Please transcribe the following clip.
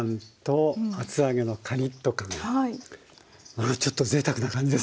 これちょっとぜいたくな感じですね。